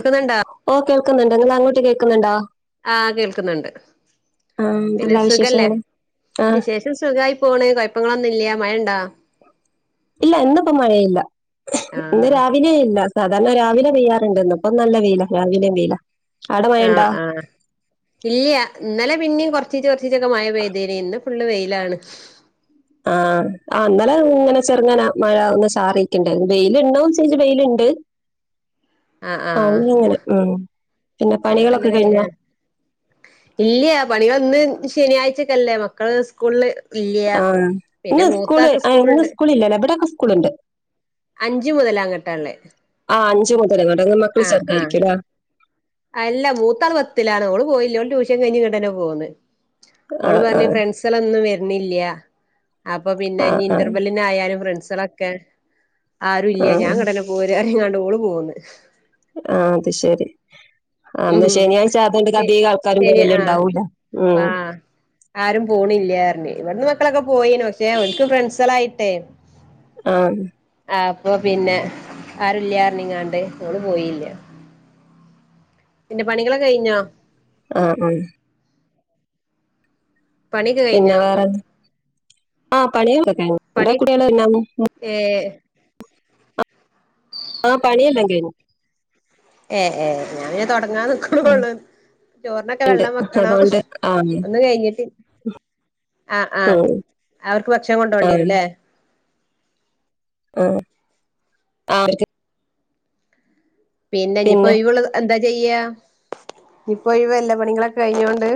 ക്കുന്നുണ്ടാ? ഓഹ് കേൾക്കുന്നുണ്ട്. ഇവ്ട്ന്നങ്ങോട്ട് കേക്കുന്നുണ്ടാ? ആഹ് കേൾക്ക്ന്ന്ണ്ട്. പിന്നെ എന്തെല്ലാ സുഖല്ലേ? വിശേഷങ്ങള് ആ വിശേഷ സുഖായി പോണ്. കൊഴപ്പങ്ങളൊന്നുല്ല. മഴെണ്ട? ഇല്ല, ഇന്നിപ്പ മഴേല്ല. ഇന്ന് ആഹ് രാ [unintelligible] ഇല്ല സാധാരണ രാവിലെ പെയ്യാറുണ്ട്. ഇന്ന്പ്പൊ നല്ല വെയില. രാവിലേം വെയില. ആടെ ആഹ് മഴയുണ്ടോ ആഹ് ഇല്യ ഇന്നലെ പിന്നിം കൊറച്ചീച്ചൊക്കെ കുറച്ചീച്ചൊക്കെ മയ പെയ്തീനി ഇന്ന് ഫുളള് വെയിലാണ് ആഹ് ആഹ് ഇങ്ങനെ ചെറുങ്ങനെ മയ ഒന്ന് ചാറീട്ടുണ്ടായ്ന് വെയിൽ ഉണ്ടോന്ന് ചോയ്ച്ചാ വെയില്ണ്ട് ആഹ് ആ ആഹ് ഇങ്ങനെ ഉം പിന്നെ ഇവിടെ നല്ല പണികളൊക്കെ കഴിഞോ വെയിലാണ് ഇല്ല പണികളൊന്ന് ശനിയാഴ്ചക്കല്ലേ മക്കള് സ്കൂളില് ഇല്ല ആഹ് പിന്നെ ഇന്ന് സ്കൂള് മൂത്താക്ക് ആ ഇന്ന് സ്കൂളുണ്ട് സ്കൂള ഇല്ലല്ലോ ഇവിടെയൊക്കെ സ്കൂളുണ്ട് അഞ്ച് മുതൽ അങ്ങട്ടാള്ളേ ആഹ് അഞ്ചു മുതല് അങ്ങട്ട് മക്കള് ആഹ് ചെറുതായിരിക്കൂല്ലോ അല്ല മൂത്താൾ പത്തിലാണ് ഓള് പോയില്ല ടൂഷ്യൻ കഴിഞ് ഇങ്ങട്ടെന്നെ പോന്ന് ആ ഓള് ആ പറഞ് ഫ്രണ്ട്സാളെന്നും വരുന്നില്ല അപ്പൊ പിന്നെ ആ ഇനി ആ ഇന്റർവെൽ പിന്നെ ആയാലും ഫ്രണ്ട്സുകളൊക്കെ ആരും ആ ഇല്ല ഞാൻ ആ ഇങ്ങടെനെ പോര പറഞ്ങ്ങാണ്ട് ഓള് പോന്ന് ആ അത് ശരി ആ അന്ന് ഉം ശനിയാഴ്ച അതുകൊണ്ട് ശെ അതിക ആൾക്കാരും ശരി പോവല് ആഹ് ഉണ്ടാവൂല ഉം ആഹ് ആരും പോണില്ലാ പറഞ്ഞു ഇവിടന്ന് മക്കളൊക്കെ പോയിനു പക്ഷേ ഒല്ക്ക് ഫ്രണ്ട്സളായിട്ടെ ആഹ് ആ അപ്പൊ പിന്നെ ആരുല്ല പർഞ്ങ്ങാണ്ട് ഓള് പോയില്ല പിന്നെ പണികള് കഴിഞ്ഞോ ആഹ് ആഹ് പണിയൊക്കെ പിന്നെ കഴിഞ്ഞോ വേറെ ആഹ് പണികളൊക്കെ പണി കഴിഞ്ഞു [unintelligible] ഏഹ് ആ പണിയല്ലാം കഴിഞ്ഞു ഏഹ് ഏഹ് ഞാൻ പിന്നെ തുടങ്ങാന്ന് നിക്ക ഉം. ക്കുണെള്ളൂ ചോറിനൊക്കെ വെള്ളം വെക്കണം അതുകൊണ്ട് ആ ഒന്നും കഴിഞ്ഞിട്ട് ആഹ് ആഹ് ഉം, അവർക്ക് ഭക്ഷണം ആ ആ കൊണ്ടേണ്ടി വരും ഇല്ലേ ആഹ് പിന്നെ ഇനിപ്പോ ഒഴിവ് ഉള്ളത് എന്താ ചെയ്യാ. ഇനിപ്പോ ഒഴിവല്ലേ പണികളൊക്കെ കഴിഞ്ഞോണ്ട്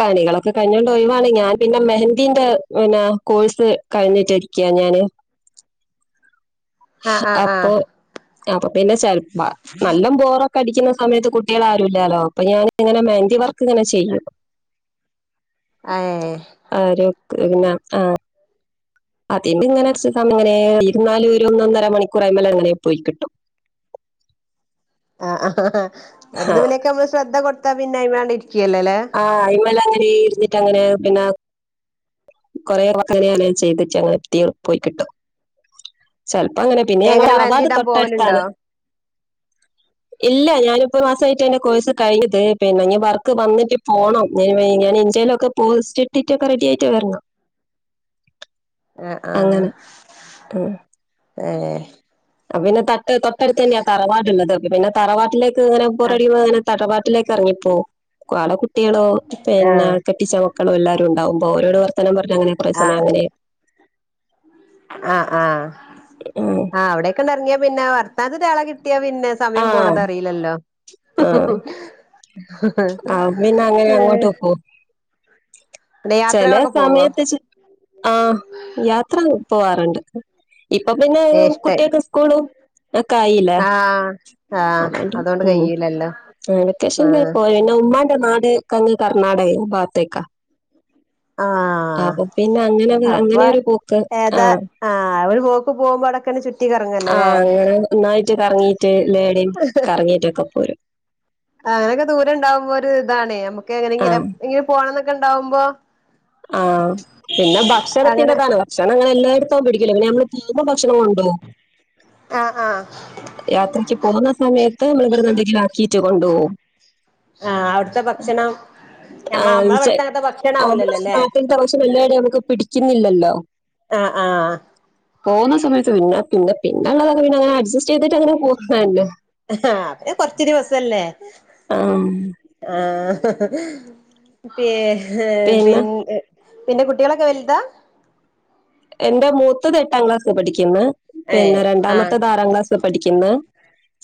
പണികളൊക്കെ കഴിഞ്ഞോണ്ട് ഒയവാാണ് ഞാൻ പിന്നെ മെഹന്ദീന്റെ പിന്നെ കോഴ്സ് കഴിഞ്ഞിട്ടിരിക്കാ ഞാന് ആഹ് ആഹ് അപ്പൊ ആഹ് അപ്പൊ പിന്നെ ചിലപേ നല്ല ബോറ കടിക്കുന്ന സമയത്ത് കുട്ടികൾ ആരുമില്ലല്ലോ അപ്പൊ ഞാൻ ഇങ്ങനെ മെഹന്തി വർക്ക് ഇങ്ങനെ ചേയ്യും അഹ് ഏഹ് ആരു ക്കു പിന്നെ ആ അതിന്റെ ഇങ്ങനെ ചി സമയം ഇങ്ങനെ [unintelligible] ഒരു ഒന്നര മണിക്കൂർ അയ്മല് അങ്ങനെ പോയി കിട്ടും ആഹാ ആഹാ അവരതു പിനെ നൊക്കെ നമ്മള് ശ്രദ്ധ കൊടുത്താ പിന്നെ അയ്മേണ് ഇരിക്കുല്ലേല്ലേ ആഹ് ആയിമ്മല് അങ്ങനെ ഇരുന്നിട്ട് അങ്ങനെ പിന്നെ കൊറെ [unintelligible] ചെയ്തിട്ട് അങ്ങെ തീ പോയി കിട്ടും ചെലപ്പോ അങ്ങനെ പിന്നെ. ഞങ്ങളെ എങ്ങനെ മെഹന്തി തറവാട് ഇടാൻ പോവലുണ്ടോ തൊട്ടടുത്താണ് ഇല്ല ഞാന് ഇപ്പം ഒരു മാസമായിട്ട് എന്റെ കോഴ്സ് കഴിഞ്ഞത് പിന്നെ ഇഞ് വർക്ക് വന്നിട്ട് പോണം ഞൻ ഞാന് ഇൻസ്റ്റയിലൊക്കെ പോസ്റ്റിട്ടിട്ട് റെഡി ആയിട്ട് വരണം ആഹ് ആഹ് അങ്ങനെ ഏഹ് അപ്പം പിന്നെ തട്ട് തൊട്ടടുത്ത തന്നെയാ തറവാട് ഉള്ളത് പിന്നെ തറവാട്ടിലേക്ക് ഇങ്ങനെ ആഹ് ബോറടിക്കുബം ഇങ്ങനെ തറവാട്ടിലേക്കു ഇറങ്ങി പോവും അവിടെ കുട്ടികളും ആഹ് പിന്നെ കെ കെട്ടിച്ച മക്കളും എല്ലാരും ഉണ്ടാവുമ്പോ ഓരോ വർത്തനം പറഞ്ഞ അങ്ങനെ കുറെ സമയം അങ്ങനെ ആഹ ആഹ് ഉം ആഹ് അവിടെക്ക് ഇറങ്ങിയാ പിന്നെ വർത്താനത്തിന് ആളെ കിട്ടിയാ പിന്നെ സമയം ആഹ് പോണത് അറിയില്ലല്ലോ ആഹ് ഹ് ഹ് ആഹ് പിന്നെ അങ്ങനെ ഹെ അങ്ങോട്ട് ചെലേ യാത്രകളൊക്കെ പോവോ സമയത്ത് ആ യാത്ര പോവാറ്ണ്ട്. ഇപ്പൊ പിന്നെ ഏഹ് ഇഷ്ട കുട്ട്യേക്ക് സ്കൂളും. ഇങ്ങക്കായില്ല. ആഹ് ആഹ് അതോണ്ട് ഉം. കയ്യൂലല്ലോ ആ വെക്കേഷന് ആഹ് പോയണം പിന്നെ ഉമമാന്റെ നാട്ങ്ങ് കർണാടകയ ഭാഗത്തേക്കാ ആഹ് അപ്പൊ പിന്നെ അങ്ങനെ ആ. അപ്പൊ അങ്ങനെ ഒരു പോക്ക് ഏതാ ആഹ് ആ അവര് പോക്ക് പോകുമ്പോ ഔടെക്കൊന്ന് ചുറ്റ് റ്റി കറങ്ങല്ലെലെ. നന്നായിട്ട് കറങ്ങീട്ട് എലേടിം കറങ്ങിയിട്ടൊക്കെ പോരും. അങ്ങനൊക്കെ ദൂരം ഇണ്ടാവുമ്പോ ഒരു ഇതാണെ. നമ്മക്ക് എങ്ങനെങ്കില ആഹ് പ് ഇങ്ങനെ പോണംന്നൊക്കെ ഇണ്ടാവുമ്പം. ആ പിന്നെ അങ്ങനെ ഭക്ഷണത്തിന്റെതാണ്. ക്ഷണങ്ങൾ എല്ലായിടത്തും പിടിക്കു ലെ. പിന്നെ നമ്മള് തീമും ഭക്ഷണൊ ഉണ്ടോ. ആ ആ. യാത്രക്ക് പോകുന്ന സമയത്ത് നമ്മള് ഇവിടെന്ന് എന്തെങ്കിലും ആക്കീട്ട് കൊണ്ടു പോകും. ആ അവിട്ത്തെ ഭക്ഷണം. നമ്മള് അമ്മ അമ്മ ഇവിട്ത്തെ അങ്ങത്തെ ഭക്ഷണം ആവുലല്ലോലെ. [unintelligible] എല്ലായിടെ നമുക്ക് പിടിക്ക്ണില്ലല്ലോ ആ ആ. പോകുന്ന സമയത്ത് പിന്നെ പിന്നെ പിന്നെള്ളതൊക്കെ പിന്നെ അങ്ങനെ അഡ്ജസ്റ്റ് ചെയ്തിട്ട് ഇങ്ങനെ പോകും [unintelligible] ആ അത് കൊറ്ച്ച് ദിവസല്ലേ. ആഹ്. ആ പി [unintelligible] പി പിന്നെ [unintelligible] പിന്നെ കുട്ടികളൊക്കെ വൽതാ. എന്റെ മൂത്തത് എട്ടാം ക്ലാസി പഠിക്കുന്നു. പിന്നെ ഏഹ് ആഹ് രണ്ടാമത്തത് ആറാം ക്ലാസ്സ് പഠിക്കുന്നു.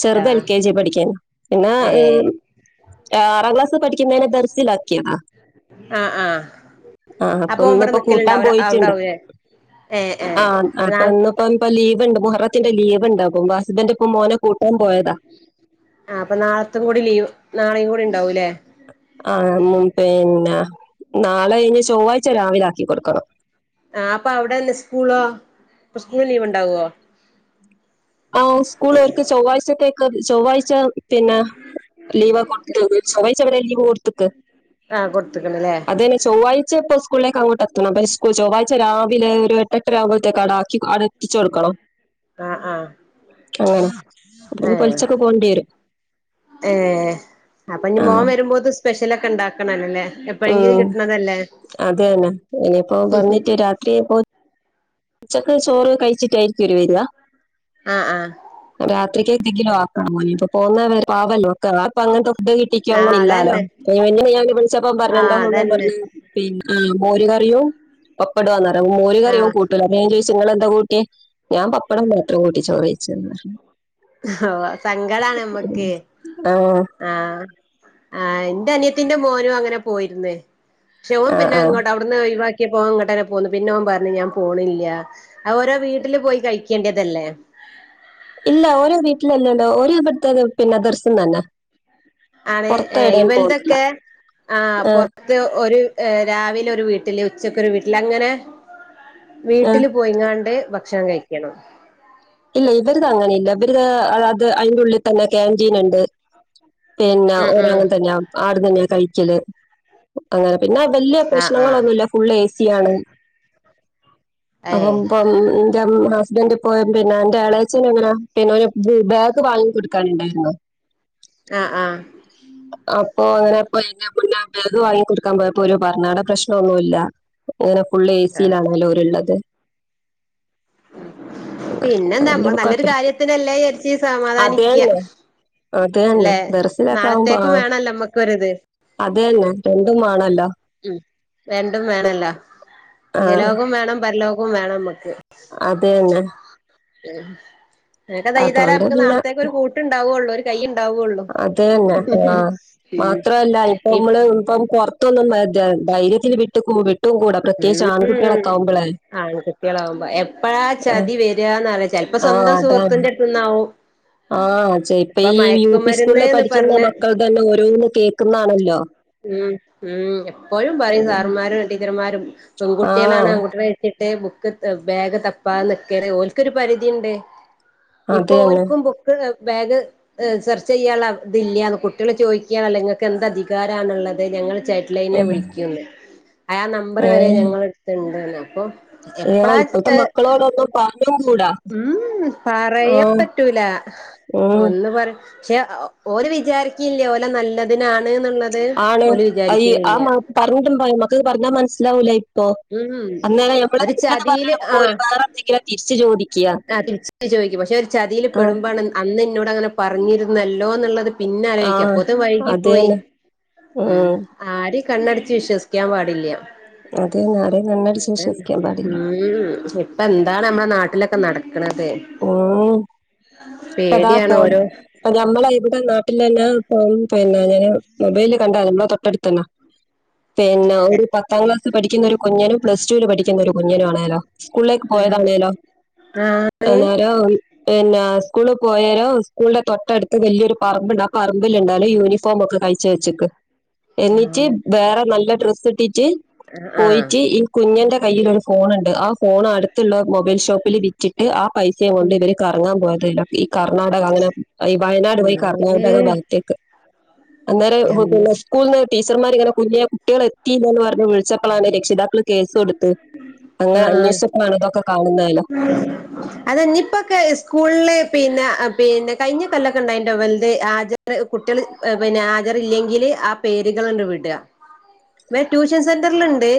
ചെറുത് എൽ ആഹ് കെ ജി പഠിക്കാണ് പിന്നെ ഏഹ് ആറാം ക്ലാസിൽ പഠിക്കുന്നതിനെ ഭർസിലാക്ക്യെർന്നു. ആഹ് ആഹ് ആ അപ്പൊ ഓൻ ഇവിടെ ഒന്നിപ്പോ കൂട്ടാൻ നിക്കലുണ്ടാവൂല അവിടെ പോയിട്ടുണ്ട്. ആവൂലേ ഏഹ് ഏഹ് ആഹ് അപ്പൊ നാളെ ഇന്നിപ്പു. ഇപ്പ ലീവ്ണ്ട് മുഹുറത്തിന്റെ ലീവ്ണ്ണട് അപ്പൊ ഹസ്ബന്റ് ഇപ്പൊ മോനെ കൂട്ടാൻ പോയതാ ആ അപ്പൊ നാളത്തും കൂടി ലീവ്. നാളും കൂടി ഉണ്ടാവൂലെ ആ പിന്നെ ചൊവ്വായ്ച്ച രാവിലെ ആക്കി കൊട്ക്കണം. ആ അപ്പൊ അവിടെ ല്ലെ സ്കൂളോ സ്കൂള് ലീവ് ഇണ്ടാവോ. ആ സ്കൂൾ ഓർക്ക് ചൊവ്വാഴ്ചത്തേക്ക് ചൊവ്വാഴ്ച പിന്നെ ലീവ് കൊടു [unintelligible] ചൊവ്ഴ്ച വരെ അവിടെ ലീവ് കൊടുത്ത്ക്ക്. കൊടുത്ത്ക്ക്ണല്ലേ. അത് തന്നെ ചൊവ്വാഴ്ച ഇപ്പ സ്കൂളിലേക്ക് അങ്ങോട്ടെത്തണം അ ചൊവ്വാഴ്ച രാവിലെ ഒരു എട്ടര ത കാടാക്കി അ എത്തിച്ച് ക്കണം. ആ ആ അപ പിന്നെ പൊല്ച്ച കൊണ്ട്യേരും അങ്ങനെ അ പൊലിച്ചൊക്കെ പോണ്ടിവരും ഏഹ് അപ്പൊ ഇനി ആ മോൻ വരുമ്പോത് സ്പെഷ്യലൊക്കെ ഇണ്ടാക്കണല്ലല്ലേ ഉം അത് തന്നെ. ഇനിയിപ്പോ വന്നിട്ട് രാത്രി പോ ഉച്ചക്ക് ചോറ് കഴിച്ചിട്ടായിരിക്കും ഒരു വരിക ആ ആ രാത്രിക്കൊ എന്തെങ്കിലും ആക്കാ പോ പോന്ന പാവല്ലോ ഒക്കെ അ അങ്ങൻത് ഇത് ആഹ് കിട്ടിക്കോന്നില്ലാലോ അതന്നെ ഞാ വിളിച്ചപ്പ ആഹ് പറഞ്ഞന്തോ അതന്നെ പറഞ്ഞ പിന്നെ മോര് കറിയും പപ്പടവുന്ന മോര് കറിയും ആഹ് കൂട്ട അപ്പ ഞാൻ ചോയ്ച് ഇങ്ങൾ എന്താ കൂട്ടിയ. ഞാൻ പപ്പടം മാത്രം കൂട്ടി ചോറ് വച്ച ഓ സങ്കടാണ് നമ്മക്ക്. ആഹ് ആഹ് ആഹ് ഇന്റെ അനിയത്തീന്റെ മോനും അങ്ങനെ പോയിരുന്ന് പക്ഷെ ഓൻ ആ പിന്നെ ആ ഇങ്ങോട്ട് അവിടുന്ന് ഒഴവാക്കിയ പോവാ ഇങ്ങട്ടന്നെ പോന്നു പിന്നെ ഓൻ പറഞ്ഞു ഞാൻ പോണില്ല അത് ഓരോ വീട്ടില് പോയി കയ്ക്കേണ്ടതല്ലേ ഇല്ല ഓരോ വീട്ടിലല്ലോ ഓല് ഇബ്ടുത്ത പിന്നെ ദർശം തന്നാ ആണ് ഏഹ് ഇവൽതൊക്കെ ആഹ് ആ പൊ ത്ത് ഒരു രാവിലെ ഒരു വീട്ടില് ഉച്ചക്ക് ഒരു വീട്ടില് അങ്ങനെ ആ വീട്ടില് പോയിങ്ങാണ്ട് ഭക്ഷണം കഴിക്കണം ഇല്ല ഇവരിത് അങ്ങനെല്ല ഇവരിത് അയ്ന്റെ ഉള്ളിൽ തന്നെ ക്യാന്റീൻ ഇണ്ട് പിന്നെ ഉം ഉം ഒരാങ്ങന്നെയാ ആട തന്നെയാ കഴിക്കല് അങ്ങനെ പിന്നെ വല്ല്യ ആഹ് ആഹ് പ്രശ്നങ്ങളൊന്നുല്ല ഫുള്ള് ഏസിയാണ് അപ്പം ഏഹ് പ്പം ൻ്റെ ഹസ്ബൻ്റ് പോയ പിന്നെ എന്റെ എളച്ചന് എങ്ങനെ പിന്നെ ഓന് ബാഗൊക്കെ വാങ്ങി കൊടുക്കാനുണ്ടായിരുന്നു ആഹ് ആഹ് അപ്പൊ അങ്ങനെ [unintelligible] വാങ്ങി കൊടുക്കാൻ പോയപ്പോ ഓര് പറഞ്ഞ് അടെ പ്രശ്നൊന്നുല്ല ങ്ങനെ ഫുള്ള് എ ആഹ് സിയിലാണല്ലോ ഓര്ള്ളത് പിന്നെന്താ വലിയ നമ്മള് നല്ലൊരു കുഴപ്പമില്ല കാര്യത്തിനല്ലെ വിചാരിച്ച് സമാധാനിക്ക അതന്ന അല്ലെ ദർസിലാക്കാവുമ്പോ നാളത്തേക്കും ആഹ് വേണല്ലോ അതന്നെ ഉം രണ്ടും വേണല്ലോ ആ ഇഹ ലോകോം വേണം പരലോകോം വേണം ന അതന്നെ ഉം ഇതൊക്കെ ചെയ്താലേ അതുകൊണ്ട് നമുക്ക് പിന്നെ നാളത്തേക്ക് ഒരു കൂട്ടുണ്ടാവുള്ളൂ ഒരു കയും അതന്നെ ആഹ് ഉം മാത്രല്ല ഇപ് ഇപ്പമ്മള് ഇപ്പം പൊർ ഇപ്പൊന്നും [unintelligible] ധൈര്യത്തില് വിട്ട്ക്കു വിട്ടുകൂടാ പ്രത്യേകിച്ച് ആൺകുട്ടികളൊക്കെ ആവുമ്പളെ ആൺകുട്ടിളാമ്പോ എപ്പളാ ചതി വരാന്നറീല ചെലപ്പോ ആഹ് സ്വന്തം അതാണ് സുഹൃത്തിന്റെ അ ന്നാവും ആഹ് ചെയ്പ്പം ഈ യു പി സ്കൂളിൽ മയക്കുമരുന്ന്ന്ന് പഠിക്കുന്ന പറഞ്ഞ മക്കൾ തന്നെ ഓരോന്ന് കേക്കുന്നാണല്ലോ ഉം ഉം എപ്പോഴും പറയും സാറ്മാരും ടീച്ചർമാരും ആഹ് പെൺകുട്ടിളാണ് ആൺകുട്ടിക ട്ടെ ബുക്ക് ബാഗ് തപ്പാ നിക്കാണ് ഓൽക്കൊരു പരിധിണ്ട് അത് ഇപ്പൊ തന്നെ ഓൽ‌ക്കും ബു ബാഗ് സെർച്ച് ചെയ്യാൻ ഇള്ള ഇതില്ല്യാന്ന് കുട്ടികള് ചോദിക്കാണല്ലോ ഇങ്ങക്ക് എന്ത് അധി കാരന്ന്ള്ളത് ഞങ്ങള് ചൈഡ് ലൈനെ ഉം വിളിക്കിന്നു ആഹ് നമ്പർ വരെ ഞങ്ങള് ത്ണ്ട്ന്ന് അപ്പൊ ആഹ് ഇപ്പത്തെ എപ്പളാ മക്കളോടോന്നും പറഞ്ഞും കൂടാ ഉം പറയാൻ ആഹ് പറ്റൂല ഉം ഒന്ന് പറ പക്ഷെ ഓല് വിചാരിക്കില്ല ഓലെ നല്ലതിനാണ് ന്നുള്ളത് ഓല് ആ വിചാരിക്കിണ്ല്ല്യാ മ- പറഞ്ഞിട്ടുണ്ടോ ഈ മക്കക്ക് പറഞ്ഞാ മനസ്സിലാവൂലേ അപ്പോ ഉം അന്നേ ഞമ്മള് ഒരു എങ്ങനെ പറഞ്ഞ് ചതിയില് കൊടുക്കുമ്പോ ആഹ് ഓല് വേറെ എന്തെങ്കിലാ തിരിച്ച് ചോദി ആഹ് തിരിച്ച് ചോയിക്കും പക്ഷെ ഒരു ചതില് ആ പെടുമ്പാണ് അന്ന് ഇന്നോട് അങ്ങനെ പറഞ്ഞിരുന്നല്ലോന്നുള്ളത് പിന്നാലോയിക്ക ആഹ് അപ്പൊത് വൈകി അത് പോയി തന്നെ ഉം ആരിം കണ്ണടച്ച് വിശ്വസിക്കാൻ പാടില്ല അത് തന്നെ ആരേം കണ്ണടിച്ച് അതന്നെ വിശ്വസിക്കാൻ പാടില്ല ഉം ഇപ്പെന്താണ് നമ്മളെ നാട്ടിലൊക്കെ നടക്കണത് ഉം [unintelligible] പേടിയാണ് ഓരോ ഇപ്പ ഞമ്മളെ ഇവിടെ നാട്ടിലന്ന ഇപ്പം പിന്നെ ഞാൻ മൊബൈല് കണ്ട നമ്മളെ തൊട്ടടുത്തന്നാ പിന്നെ ഒരു പത്താം ക്ലാസ് പഠിക്കുന്ന ഒരു കുഞ്ഞനും പ്ലസ് ടൂൽ പഠിക്കുന്ന ഒരു കുഞ്ഞനും ആണേലോ സ്ക്കൂളേക്ക് ആഹ് പോയതാണേലോ ആണ് അന്നേരം പിന്നെ സ്ക്കൂൾ പോയേരം സ്ക്കൂൾ ന്റെ തൊട്ടടുത്ത് വല്യൊരു പറമ്പ്ണ്ട് ആഹ് പറമ്പിൽ ഉണ്ടേലോ യൂണിഫോം ഒക്കെ കഴി ചേച്ചിക്ക് എന്നിട്ട് ആണ് വേറെ നല്ല ഡ്രസ്സ് ഇട്ടീറ്റ് ആഹ് പോയിറ്റ് ഈ കുഞ്ഞന്റെ കയ്യില് ഒരു ഫോണ് ണ്ട് ആ ഫോൺ അടുത്ത് ള്ള മൊബൈൽ ഷോപ്പിൽ ബിറ്റ് ട്ട് ആഹ് പൈസയും കൊണ്ട് ഇവർ കറങ്ങാൻ പോയത യ്ല്ല ഈ കർണാടക അങ്ങനെ ഈ വയനാട് പോയി ക അങ്ങനതോക്കെ ഭാഗത്തേക്ക് അന്നേരം എന്താ [unintelligible] സ്കൂൾന്ന് ടീച്ചർമാര്ങ്ങന കുഞ്ഞിയേ കുട്ടെള് എത്തിയില്ലെന്ന് പറഞ് വി ളിച്ചപ്പളാണ് രക്ഷിതാക്കള് കേസ് കൊട് ത്ത് അങ്ങനെ അന്വേഷിച്ചപ്പളാണ് ഇതൊക്ക കാണുന്നാലോ അതെ ഇഞ്ഞ് പ്പൊക്കെ സ്കൂള് പിന്നെ പിന്നെ കഴിഞ്ഞ കൊല്ലക്ക ഇണ്ടായിനിട്ടോ വെല്ത് ‌ ആജ കുട്ട്യാള് പിന്നെ ആജർ ഇല്ലെങ്കില് ആഹ് പേര്കള്ണ്ട് വിട വേ ട്യൂഷൻ സെന്ററൽണ്ട്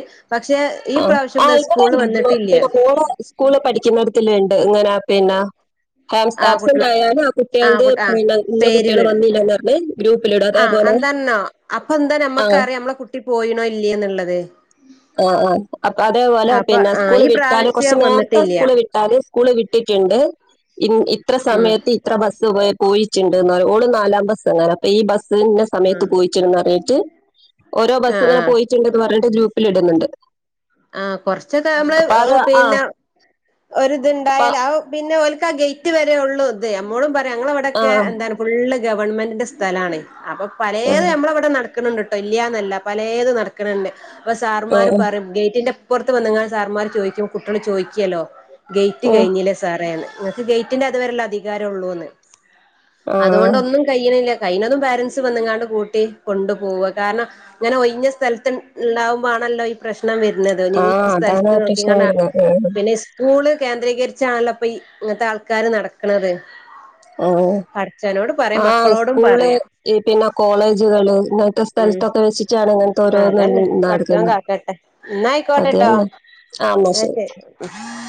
ആഹ് ആഹ് ഇവിടെണ്ട് വന്നിട്ടില്ല പിന്നെ മോളെ സ് സ്കൂള് പഠിക്കിന്നടത്തില്ണ്ട് ഇങ്ങനാ പിന്നാ ആ ആബ്സെറ്റ് ആയാലും ആഹ് ആ കുട്ടികള്ത് കുട്ട പിന്ന ഇന്ന കുട്ട്യാള് വന്നില്ലന്ന് പറ്ണ് ആഹ് എന്താന്നോ അപ്പൊ എന്താ ആ നമ്മക്കറിയാ നമ്മളെ കുട്ടി പോയിണോ ഇല്ലെന്ന്ള്ളത് ആഹ് ആഹ് അപ്പൊ അതേപോലെ പിന്നെ ആ സ്കൂള് ഈ വിട്ടാല് കൊറച്ച് പ്രാവശ്യം നേരത്ത വന്നിട്ടില്ല സ്കൂള് വിട്ടാല് സ്കൂള് വി വിട്ട്റ്റ്ണ്ട് ഇൻ ഇത്ര ഉം സമയത്തി എത്ര ബെസ്സ് പോ പോയി ഇണ്ട് എന്നാല് ഓള് നാലാം ബെസങ്ങാന ഈ ബെസ് ഇനെ ആ സമയത്ത് പോയിട്ട്ണ്ട് പറ്ഞ്ട്ട് ഓരോ ആ ബെസ് ഇങ്ങനെ ആ പോയിട്ട്ണ്ട്ന്ന് പറഞ്ഞ് ഇട്ട് ഗ്രൂപ്പില് ഇട്ന്ന്ണ്ട് ആഹ് കൊറച്ച് ഇത് നമ്മള് ആഹ് പിന്നെ ഒര് ഇത് അപ്പ ഒണ്ടായാല് ആഹ് പിന്നെ ഓല്ക്ക് ആഹ് ഗേറ്റ് വെരെ ഒള്ളൂ തേ അമ്മേളും പറയാ അങ്ങളെ ഇവടെക്കെ ആഹ് എന്താണ് ഫുള്ള് ഗവൺമെന്റിൻ്റെ സ്ഥലാണ് അപ്പൊ പാലോത് ആഹ് നമ്മളെ അവടെ നട ക്ക്ണ് ണ്ട്ട്ടോ ഇല്ല്യാന്നല്ല പലോതും നടക്ക്ണ്ണ്ണ്ട് അപ്പൊ സാർമാര് ആഹ് പറ്യ ഗേ ന്റിൻ്റെ ഇപ്പറ്ത്ത് വന്ന് ങ്ങാണ്ട് സാർമാര് ചോദിക്കും കുട്യോള് ചോദിക്ക്യാല്ലോ ഗേറ്റ് ഉം കഴിഞ്ഞില്ലേ സാറേന്ന് നിങ്ങാക്ക് ഗേറ്റിന്റെ അത് വെരെ ല്ലേ അധികാരം ഒള്ളൂന്ന് ആഹ് അത്കൊണ്ടൊന്നും കഴിണില്ല കയിണതും പോരൻസ് വന്ന് ങ്ങാണ്ട് കൂട്ടി കൊണ്ട് പോവാ കാര്ണം ഇങ്ങനെ ഒയിഞ്ഞ സ്ഥലത്ത് ൻ ഇണ്ടാവ്മ്പോ ആണല്ലോ ഈ പ്രശ്നം വെ നത് ആഹ് [unintelligible] അതാണ് സ്ഥലത്ത് ആ പ്രശ്നം നോക്കിങ്ങാണ്ട് ആഹ് വരുന്നത് ഉം പിന്നെ സ് സ്കൂള് കേന്ദ്രീകരിച്ചാണല്ലോ ഇപ്പൊ ഈ ഇങ്ങത്തെ ആൾക്കാര് നടക്ക്ണത് ആഹ് പടച്ചോനോടും പറയ ആഹ് മക്കളോടും സ്കൂള് പറയ്യാ ഈ പിന്നെ കോളേജ്കള് ങ് ത്താ ഉം സ്ഥലത്തൊക്കെ വെച്ച്ട്ടാണ് അങ്ങനത്തെ ആ ഓരോന്ന് അതന്നെ ന്ന് പഠിച്ചോൻ നടക്ക്ന്നേ കാക്കട്ടെ അത് എന്നെ ആഹ് ന്നാ ശെരി ശെരി ഉം